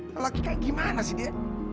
kalau laki kayak gimana sih dia